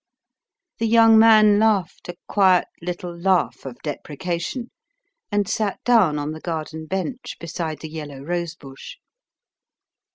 The young man laughed a quiet little laugh of deprecation, and sat down on the garden bench beside the yellow rose bush.